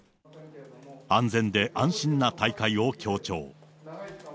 安全で安心な大会を強調。